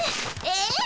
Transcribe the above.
えっ？